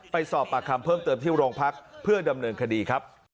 ไปสอบปากคำเพิ่มเติมที่โรงพักเพื่อดำเนินคดีครับ